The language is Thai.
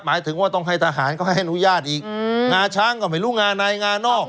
หมายถึงว่าต้องให้ทหารเขาให้อนุญาตอีกงาช้างก็ไม่รู้งาในงานอก